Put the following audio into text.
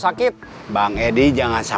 kakak akan kenceng sebenarnya